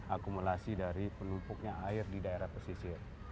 akumulasi dari penumpuknya air di daerah pesisir